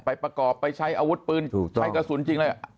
ประกอบไปใช้อาวุธปืนใช้กระสุนจริงเลย